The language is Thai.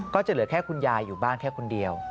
ก็จะเหลือแค่คุณยายอยู่บ้านแค่คนเดียว